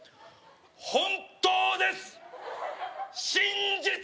本当です！